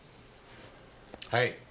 はい。